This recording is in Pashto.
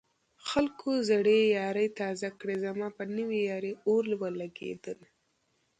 خلکو زړې يارۍ تازه کړې زما په نوې يارۍ اور ولګېدنه